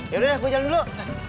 yaudah gue jalan dulu